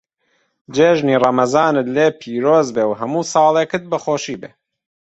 جێژنی ڕەمەزانت لێ پیرۆز بێ و هەموو ساڵێکت بە خۆشی بێ.